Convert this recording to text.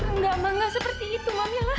enggak ma gak seperti itu ma mila